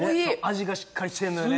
味がしっかりしてんのよね・